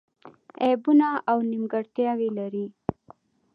عیبونه او نیمګړتیاوې لري.